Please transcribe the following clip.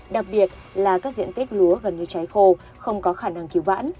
đặc biệt là các diện tích lúa gần như trái khô không có khả năng cứu vãn